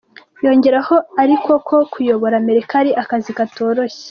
Yongereho ariko ko kuyobora America ari akazi katoroshye.